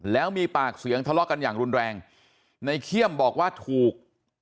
แล้วมีปากเสียงทะเลาะกันอย่างรุนแรงในเขี้ยมบอกว่าถูก